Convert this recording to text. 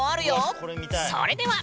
それでは。